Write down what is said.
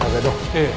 ええ。